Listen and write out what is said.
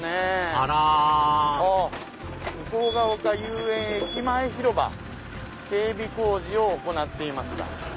あら「向ヶ丘遊園駅前広場の整備工事をおこなっています」。